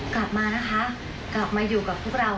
กลับมานะคะกลับมาอยู่กับพวกเรา